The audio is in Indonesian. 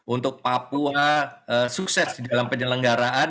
untuk papua sukses di dalam penyelenggaraan